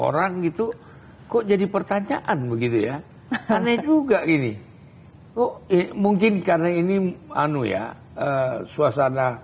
ketemu orang itu kok jadi pertanyaan begitu ya aneh juga ini mungkin karena ini anu ya suasana